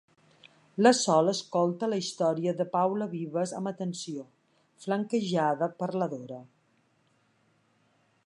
La Sol escolta la història de Paula Vives amb atenció, flanquejada per la Dora.